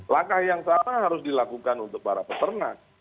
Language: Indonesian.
langkah yang salah harus dilakukan untuk para peternak